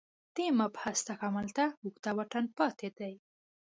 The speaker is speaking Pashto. دې مبحث تکامل ته اوږد واټن پاتې دی